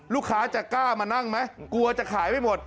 ลูกค้าจะกล้ามานั่งไหมกลัวจะขายไม่หมด